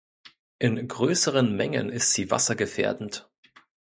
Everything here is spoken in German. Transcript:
In größeren Mengen ist sie wassergefährdend.